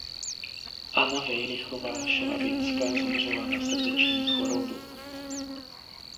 Anna Vejrychová–Švabinská zemřela na srdeční chorobu.